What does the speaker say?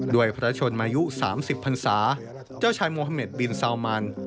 โดยพระชนมายุสามสิบพันศาเจ้าชายมมบินซาวมาน